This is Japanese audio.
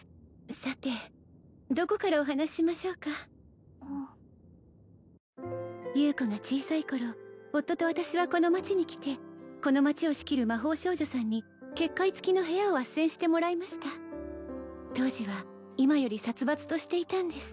さてどこからお話ししましょうか優子が小さい頃夫と私はこの町に来てこの町を仕切る魔法少女さんに結界つきの部屋をあっせんしてもらいました当時は今より殺伐としていたんです